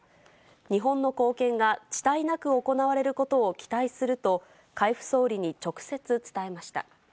日本の貢献が遅滞なく行われることを期待すると、海部総理に直接、伝えました。